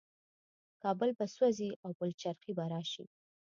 کابل به سوځي او پلچرخي به راشي.